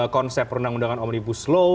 konsep perundang undangan omnibus law